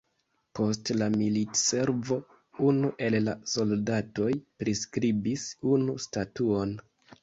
Post la militservo unu el la soldatoj priskribis unu statuon.